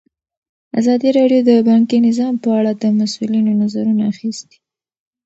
ازادي راډیو د بانکي نظام په اړه د مسؤلینو نظرونه اخیستي.